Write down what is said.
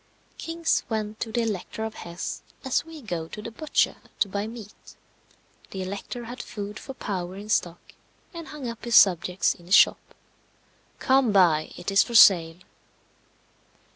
Kings went to the Elector of Hesse as we go to the butcher to buy meat. The Elector had food for powder in stock, and hung up his subjects in his shop. Come buy; it is for sale.